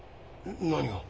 何が？